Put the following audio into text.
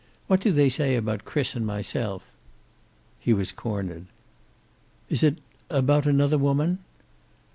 What do they say about Chris and myself?" He was cornered. "Is it about another woman?"